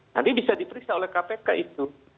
nanti bisa diperiksa oleh kpk itu